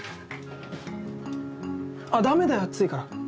あっダメだよ熱いから。